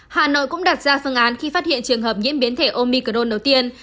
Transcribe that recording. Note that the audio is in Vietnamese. hà nội cũng đặt ra phương án khi phát hiện trường hợp nhiễm biến thể omicron đầu tiên